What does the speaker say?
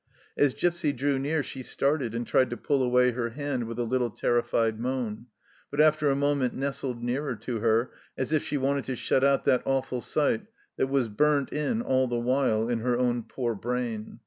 As Gipsy drew near she started and tried to pull away her hand with a little terrified moan, but after a moment nestled nearer to her, as if she wanted to shut out that awful sight that was burnt in all the while in her own poor brain.